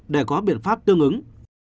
để có biện pháp tương ứng